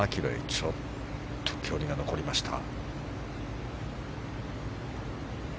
ちょっと距離が残りました。